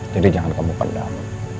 jadi jangan kamu pedam